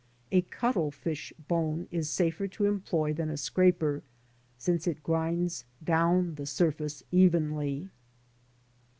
A cuttle fish bone is safer to employ than a scraper, since it grinds down the surface evenly.